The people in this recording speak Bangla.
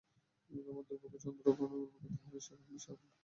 আমার দুর্ভাগ্য, চন্দ্র ভ্রমণের অভিজ্ঞতা হরিষে বিষাদ হয়ে চিরটাকাল থেকে যাবে।